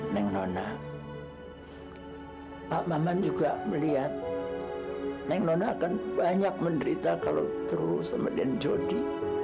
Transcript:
neng nona pak maman juga melihat neng nona akan banyak menderita kalau terus kemudian jody